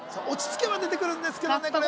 落ち着けば出てくるんですけどね